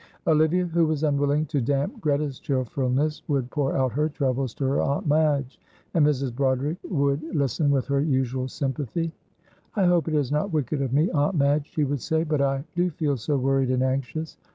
Olivia, who was unwilling to damp Greta's cheerfulness, would pour out her troubles to her Aunt Madge, and Mrs. Broderick would listen with her usual sympathy. "I hope it is not wicked of me, Aunt Madge," she would say, "but I do feel so worried and anxious.